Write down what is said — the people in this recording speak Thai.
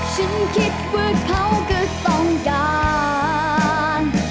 ฉันคิดว่าเขาก็ต้องการ